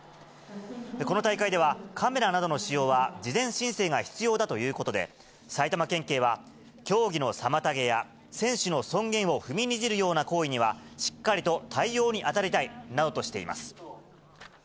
この大会では、カメラなどの使用は事前申請が必要だということで、埼玉県警は、競技の妨げや、選手の尊厳を踏みにじるような行為には、しっかりと対応に当たりたいなどとしています。